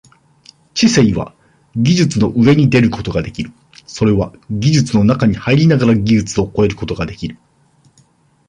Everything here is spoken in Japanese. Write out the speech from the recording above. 知性は技術の上に出ることができる、それは技術の中に入りながら技術を超えることができる。